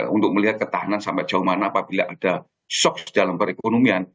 untuk melihat ketahanan sampai jauh mana apabila ada shock dalam perekonomian